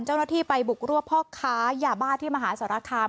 เจ้าหน้าที่ไปบุกรวบพ่อค้ายาบ้าที่มหาสารคาม